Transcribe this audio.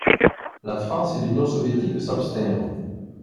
La France et l'Union soviétique s'abstinrent.